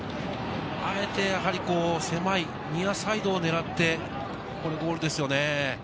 あえて狭いニアサイドを狙って、ゴールですよね。